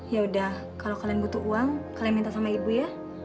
ya udah kalau kalian butuh uang kalian minta sama ibu ya